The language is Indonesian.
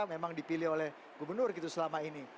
memang dipilih oleh gubernur gitu selama ini